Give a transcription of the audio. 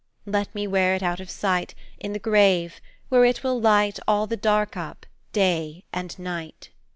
Let me wear it out of sight, In the grave, where it will light All the Dark up, day and night."